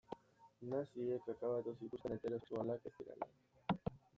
Naziek akabatu zituzten heterosexualak ez zirenak.